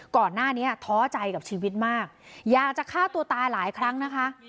ก่อนหน้านี้ท้อใจกับชีวิตมากอยากจะฆ่าตัวตายหลายครั้งนะคะ